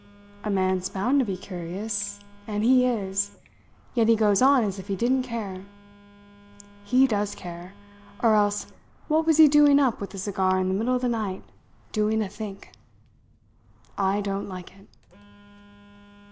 A man's bound to be curious, and he is; yet he goes on as if he didn't care. He does care or else what was he doing up with a cigar in the middle of the night, doing a think? I don't like it."